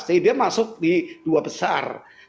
jadi dia masuk di dua besar